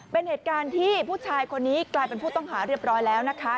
เป็นเหตุการณ์ที่ผู้ชายคนนี้กลายเป็นผู้ต้องหาเรียบร้อยแล้วนะคะ